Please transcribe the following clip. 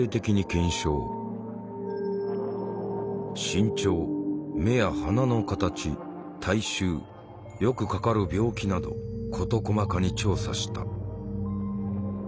身長目や鼻の形体臭よくかかる病気など事細かに調査した。